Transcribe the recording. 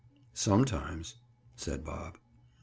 "Sometimes," said Bob.